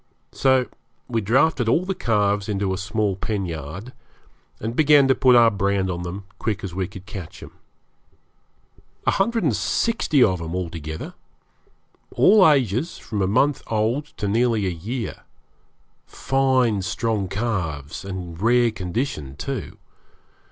So we drafted all the calves into a small pen yard, and began to put our brand on them as quick as we could catch 'em. A hundred and sixty of 'em altogether all ages, from a month old to nearly a year. Fine strong calves, and in rare condition, too.